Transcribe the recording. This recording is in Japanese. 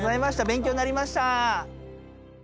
勉強になりました。